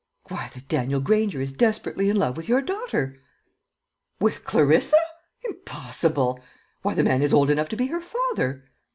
"Why, that Daniel Granger is desperately in love with your daughter." "With Clarissa! Impossible! Why, the man is old enough to be her father."